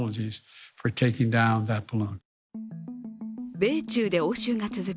米中が応酬が続く